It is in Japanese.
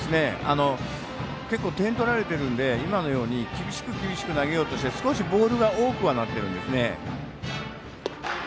結構、点を取られてるので今のように厳しく投げようとして少しボールが多くはなってるんですね。